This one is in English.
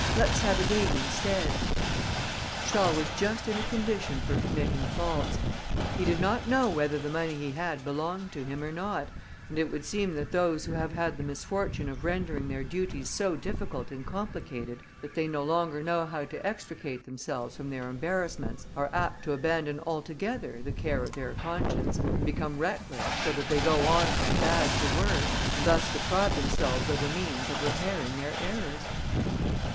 Let's have a game instead." Charles was just in a condition for committing faults; he did not know whether the money he had belonged to him or not, and it would seem that those who have had the misfortune of rendering their duties so difficult and complicated, that they no longer know how to extricate themselves from their embarrassments, are apt to abandon altogether the care of their conscience, and become reckless, so that they go on from bad to worse, and thus deprive themselves of the means of repairing their errors.